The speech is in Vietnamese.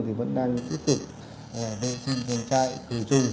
tiếp tục đệ sinh chuồng trại thử trung